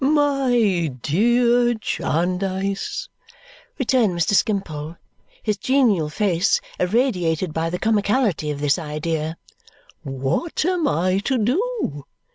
"My dear Jarndyce," returned Mr. Skimpole, his genial face irradiated by the comicality of this idea, "what am I to do?